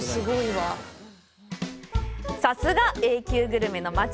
さすが、Ａ級グルメの町。